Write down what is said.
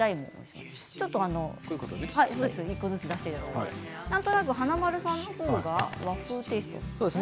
１個ずつ出していただいてなんとなく、華丸さんの方が和風テーストで。